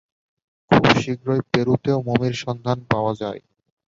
খুব শীঘ্রই পেরুতেও মমির সন্ধান পাওয়া যায়।